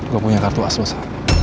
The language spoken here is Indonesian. gue punya kartu aslo sa